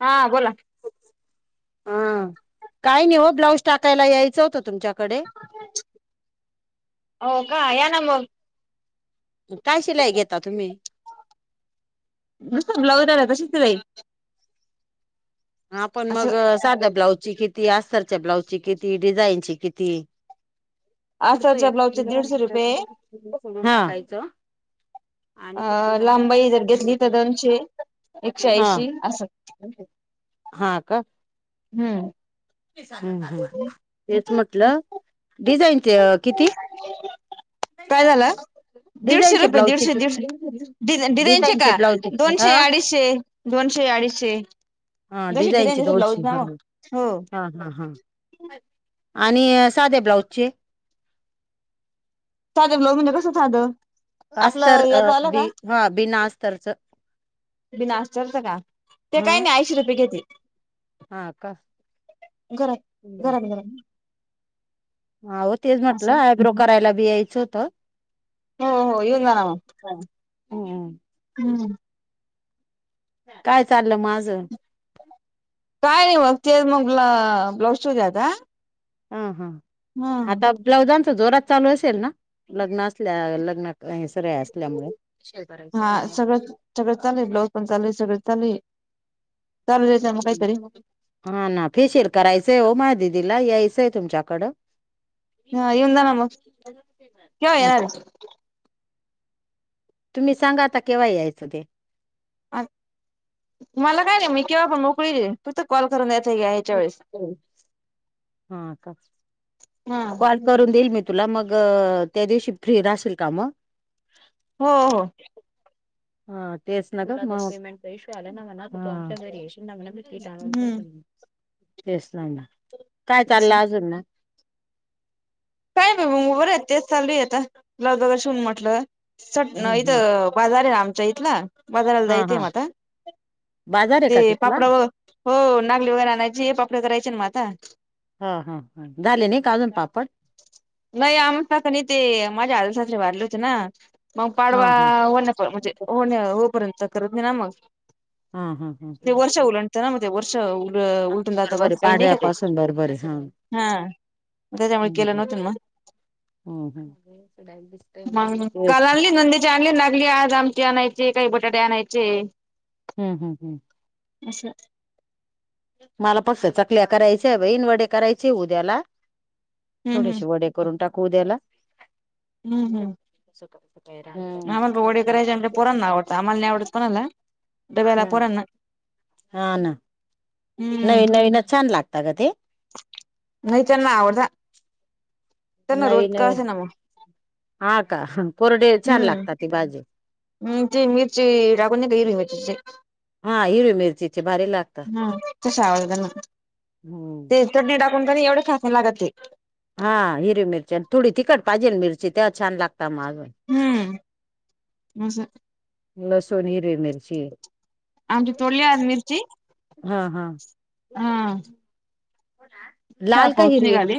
हा बोला. आं, काही नाही ओ ब्लाऊज टाकायला यायचं होतं तुमच्याकडे. हो का, या ना मग. उम काय शिलाई घेता तुम्ही? नुसत ब्लाउज राहीलं तशीच शिलाई. हां पण असं. मग साध्या ब्लाउजची किती अस्तरच्या ब्लाउजची किती डिझाईनची किती अस्तर च्या ब्लाउजचे दीडशे रुपये हा अ लांब बाही जर घेतली तर दोनशे, एकशे हा ऐंशी असं. हा का हम्म. तेच म्हटलं डिझाईनचे किती? काय झालं दीडशे डिझाईनचे रुपये, ब्लाउजचे दीडशे, दीडशे किती डिझाईन, डिझाईनचे का ब्लाउजचे दोनशे हा अडीचशे दोनशे, अडीचशे हा जशी डिझाईनचे डिझाईन जशी दोनशे ब्लाउज ना हा हो हा हा हां आणि साध्या ब्लाऊजचे सध्या ब्लाऊज चे म्हणजे कसं साधं आपलं अस्तर याच आलं का बीना अस्तरचं बिना अस्तर चे का? ते हा काही नाही ऐंशीे रुपये घेते. हा का घरात हम् घरात घरात अहो तेच म्हटलं असं आयब्रो करायला बि यायचं होत. हो, हो येऊन जावा मग हम्म हम् काय चाललं माझं? काय नाही बघ ते मग ब्लाऊज शिवला होता. हा, हां आता ब्लाउजांच जोरात चालू असेल ना लग्न असल्या लग्न काय आहे सगळे असल्यामुळे शेजारीच हा म्हणा. सगळं सगळं चालू आहे, ब्लाउज पण चालू आहे, सगळं चालू आहे. चालू द्यायचं मग काहीतरी हा ना फेशियल करायचंय हो माहा दिदीला यायचंय तुमच्याकडं हा येऊन जा ना मग केव्हा येणार आहे. तुम्ही सांगा आता केव्हा यायचं ते अ मला काय नाही मी केव्हा पण मोकळीच आहे. फक्त कॉल करून या ताई यायच्या वेळेस हा का हां कॉल करून देईल मी तुला मग त्या दिवशी फ्री राशील का मगं हो, हो हा तेच न पेमेंट इशू आला ना घरच्या घरी हम्म तेच ना काय चाललं अजून मग? काय नाही बरं आहेत तेच चालू आहे आता ब्लाउज शिवून म्हटलं सट मग इथं बाजार आहे आमच्या इथला बाजाराला जा हा येते हा म आता बाजार आहे का ते तिथला पापड व हो नागली वगैरे आणायची हे पापडे करायचे ना मग आता हा, हा झाले नाही अजून पापड? नाही आमचं का नाही ते माझ्या आजसासरे वारले होते ना. मग हा पाडवा हा होण्या म्हणजे होण्या होपर्यंत करत नाही ना मग ह हा हा ते वर्ष ह उलटतं ना मग ते वर्ष उल उलटून जातं बरोबर बस आहे काही नाही पाडव्या का ते पाासून बरोबर आहे हां हा त्याच्यामुळे केलं नव्हतं मग हं दिसतंय चायनीज लागली आज आमची आणायचे काही बटाटे आणायचे. हम्म हम् हम् असाच मला फक्त चकल्या करायच्या बाई वडे करायचे उद्याला हम्म हम्म थोडेसे वडे करून टाकू उद्याला हम्म हम्म काय आम्हाला वडे करायचे आल्या पोरांना आवडंत आम्हाला नाही आवडत कोणाला डब्याला हम्म पोरांना. हा ना नवीन नवीन छान लागता ग ते. लय त्यांना आवडतं. त्यांना रोज नवीन का नवीन असेना मग. हा का कोरडे छान हम्म लागतात ती भाजी. हम्म ती मिरची टाकून नाही हिरवी मिर्ची हा हिरवी मिरचीचे भारी लागतात हम्म, तसा आवडते त्यांना. हम्म चटणी टाकून क एवढे चासयं लागत ते. हा हिरवी मिरची आणि थोडी तिखट भाजी मिरची तेव छान लागत माग. हम्म असं. लसूण हिरवी मिरची. आमची तोडली आज मिरची हा हा. हा लाल का हिरवे आहे.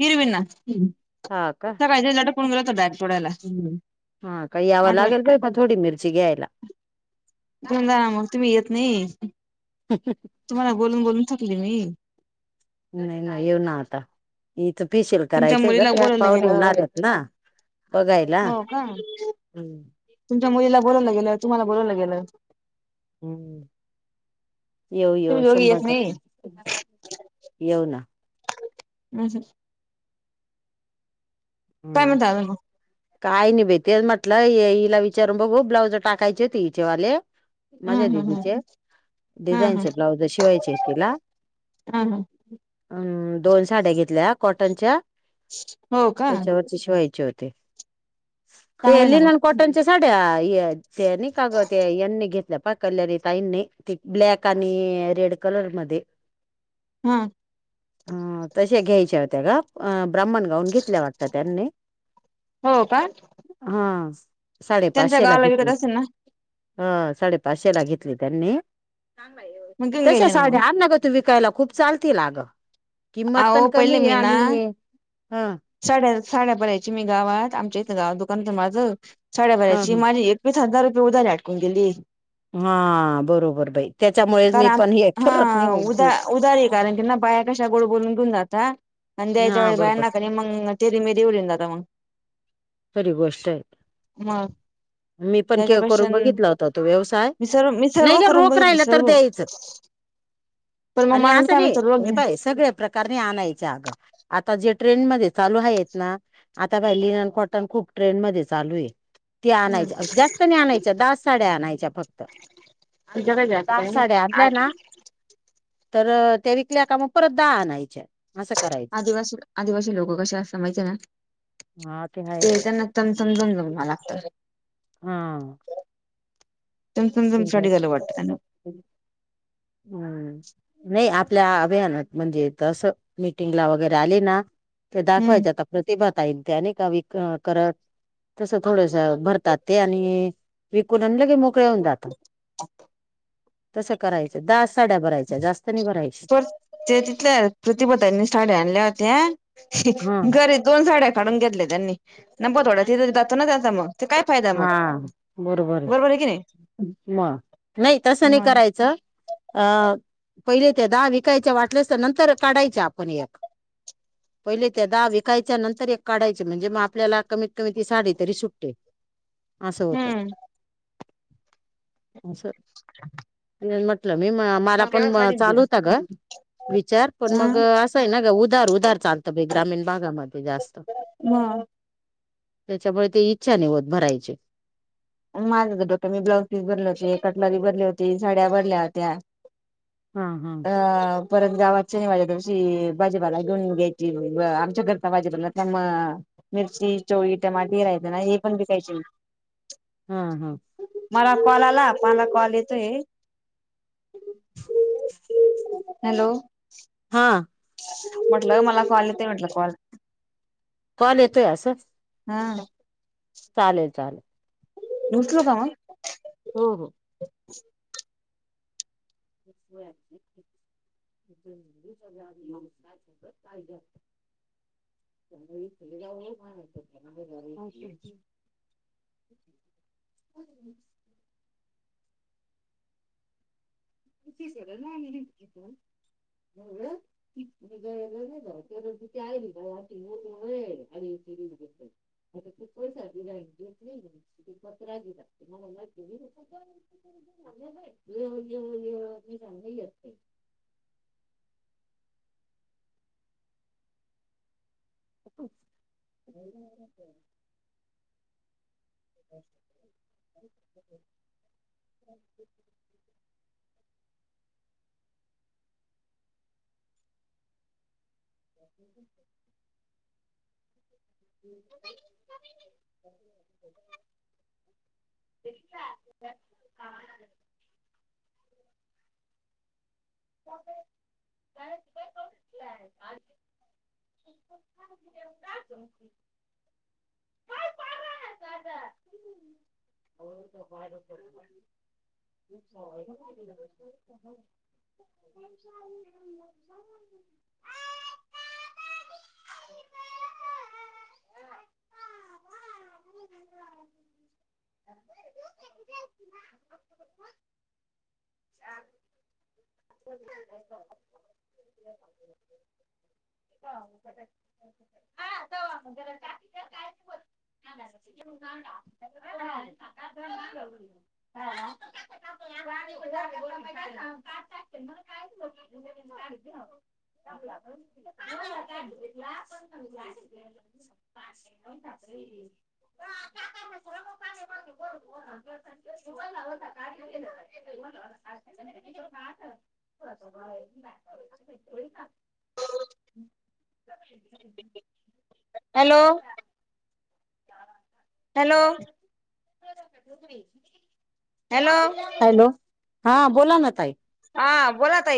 हिरवे. हम्म हा का. डायरेक्ट पळुन जातो डायपोटला. हम्म हा काय याव लागेल बाई म थोडी मिरची घ्यायला. तुम्ही जा, मग तुम्ही येत नाही. अच्छ अचा. [unintelligible] तुम्हाला बोलून बोलून थकली मी. नाही नाही येऊन आता. इच पिशीयल तुमच्या करायचंय मुलीला ग बोलवलं पाहुणे गेलं येणार आहेत ना बघायला. हा. हम्म. तुमच्या मुलीला बोवलं गेलं तुम्हाला बलावलं गेलं. हम्म, येऊ येऊ तुम्ही दोघी शंभर येत नाही टक्के, येऊ. हम्म काय हम्म. म्हणता अजून मग काय नाही बाई तेच म्हटलं हिला विचारून बघू ब्लाउज टाकायची होती हिचेवाले. हा माझ्या हा हा दिदीचे हा हा डिझाईनचे ब्लाउज शिवायचे तिला. हा हा. अम दोन साड्या घेतल्या कॉटनच्या. हो का त्याच्यावरती शीवायचे होते. ते चांगलंय ना मग लिलन कॉटनच्या साड्या न का ते यांनी घेतल्या पा कल्यारी ताईन नाही ती ब्लॅक आणि रेड कलर मध्ये. हा. ह तश्या घ्यायच्या होत्या ग अ ब्राह्मण गाऊन घेतल्या वाटत. त्यांनी हा हो का हा. त्यांच्या साडेपाचशे ला गावाला घेतली विकत हो. असेल ना ह साडेपाचशे ला घेतली त्यांनी, मग घेऊन तशा घ्यायचे ना मग साड्या आपल्याला विकायला खूप चालती अगं, किंमत पण अहो पहिले कमी मी ना आणि ह साड्या, साड्या भराची मी गावात आहात आमच्या इथं गावात दुकानत माझं साड्या बऱाची ह माझी वीस हजार रुपये उद्यारी आटकून गेली. हा बरोबर बाई त्याच्यामुळे मी पण हे ठरत नाही हो. उदारी कारण त्यां बाया कशा गोड बोलून घेउन जातात आणि द्याच्या हा वळी बरोबर बायांना मग तेेरी मेरी येऊन जातो मग. खरी गोष्ट आहेत. मग मी पण त्याच्यापेक्षा करून बघितला होत तो व्यवसाय मी सर्व मी नाही सर्व ग करून रोख बघितली राहिला तर सर्व द्यायचं. पण मग आणि माणूस असं काय नाही म्हणतो हे रोज पाय सगळ्या प्रकार. कारणे आणायच्या आता जे ट्रेनमध्ये चालू आहेत ना आता राहिली खूप ट्रेन मध्ये चालू आहे ते आणायच्या जास्त नाही आणायच्या दहा साड्या आणायच्या फक्त. अ जग जात दहा काय ना साड्या आ. आणल्या ना तर त्या विकल्या कामा परत दहा आणायच्या असं करायचं आदिवासी आदिवासी लोक कशा असतात माहिती आहे ना हा आहे ते बाई. त्यांना तमतमतम जम मला लागतं हा चमचम हा जमसाठी झालं वाटतं त्यांना हा नाही आपल्या अभियानात म्हणजे तस मीटिंगला वगैरे आले ना ते हम्म दाखवायचे आता प्रतिभा ताईन ते आणि का व करत तसं थोडस भरतात ते आणि विकून आणि लगे मोकळ्या होतात तसं करायचं दहा साड्या भरायच्या जास्त नाही भरायच्या पर ते तिल्या प्रतिभाताईंनी साड्या आणल्या होत्या हा घरी दोन साड्या फाडून घेतलं त्यांनी नप थोडा ते जातो ना त्याचा मग ते काय फायदा मग बरोबर आहे की नाही म नाही तसं नाही मग करायचं अ पहिले त्या दहा विकायच्या वाटल्यास तर नंतर काढायच्या आपण एक पहिले त्या दहा विकायच्या नंतर एक काढायचे म्हणजे मग आपल्याला कमीत कमी ती साडे तरी सुट्टते असं होत त हम्म स हंहं म्हटलं मी मला पण चालू होता ग विचार पण मग ना ग उधार उधार चालतं ग्रामीण भागामध्ये जास्त ह त्याच्यामुळे ते इच्छा नि होत भरायची माझं तर डोकं मी ब्लाउज पीस भरले होते कटलरी भरली होती साड्या भरल्या होत्या हा हा अ परत गावाातच नाही माझ्या दिवशी भाजीपाला घेऊन घ्यायची आमच्या घरता भाजीपाला त्यामुळे मिरची चवळी टमाटे राहायची नाही हे पण विकायचं हा हा मला कॉल आला मला कॉल येतोय हे हो हॅलो हा म्हटलं मला कॉल येते म्हटलं कॉल कॉल येतोयसं हा चालेल चालेल उचलू का मग हो हो हा हा का [unintelligible] [unintelligible] [inaudible] क ना नि [unintelligible] त आ [unintelligible] खूप पैसा मला माहि ये ये मी ये. हं [inaudible] ह [inaudible] ह [inaudible] [unintelligible] तेेता [unintelligible] का [unintelligible] [unintelligible] हं [unintelligible] [inaudible] असं [unintelligible] [unintelligible] ते तूं घेतलायस का? हात. हो. बाळा जाव [unintelligible] टाक मला कायच [unintelligible] [unintelligible] लाण आम्हाला का पण [unintelligible] का [unintelligible] का असं बरो [unintelligible] हम्म. [unintelligible] हॅलो. हॅलो. हॅलो हॅलो,, हा बोला ना ताई. हा बोला तई